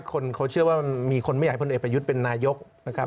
คนเขาเชื่อว่ามีคนไม่อยากให้คนเองไปยุดเป็นนายกนะครับ